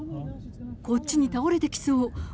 こっちに倒れてきそう。